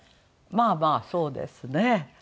まあまあそうですね